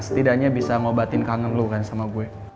setidaknya bisa ngobatin kangen lu kan sama gue